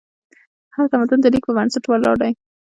هر تمدن د لیک په بنسټ ولاړ دی.